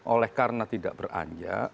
oleh karena tidak beranjak